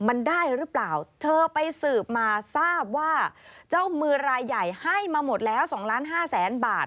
มันได้หรือเปล่าเธอไปสืบมาทราบว่าเจ้ามือรายใหญ่ให้มาหมดแล้ว๒ล้านห้าแสนบาท